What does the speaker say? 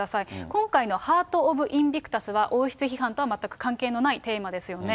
今回のハート・オブ・インビクタスは、王室批判とは全く関係のないテーマですよね。